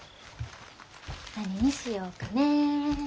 何にしようかね。